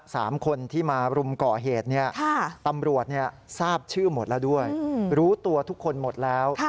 สามคนที่มารุมก่อเหตุเนี่ยตำรวจทราบชื่อหมดแล้วด้วยรู้ตัวทุกคนหมดแล้ว